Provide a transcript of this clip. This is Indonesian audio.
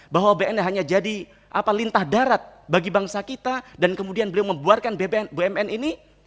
bahwa bnn hanya jadi lintah darat bagi bangsa kita dan kemudian beliau membuarkan bumn ini